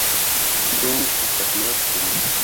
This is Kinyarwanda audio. Tom afasha Mariya kwitegura